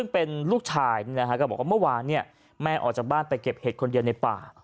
เมื่อวานแม่ออกจากบ้านไปเก็บเห็ดคนเดียวในป่า